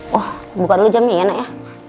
wah kh impossible jemit mana ya